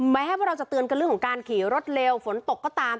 แม้ว่าเราจะเตือนกันเรื่องของการขี่รถเร็วฝนตกก็ตาม